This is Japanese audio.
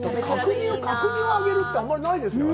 角煮を揚げるってあんまりないですよね。